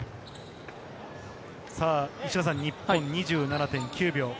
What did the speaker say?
石田さん、日本２７．９秒。